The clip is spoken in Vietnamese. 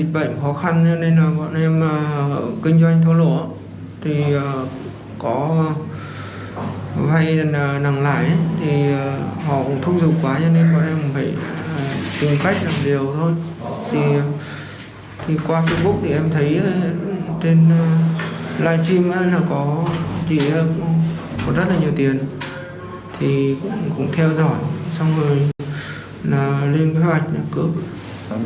chúng tôi cũng có rất nhiều tiền thì cũng theo dõi xong rồi lên kế hoạch để cướp